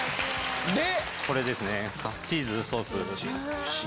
これですねチーズソース。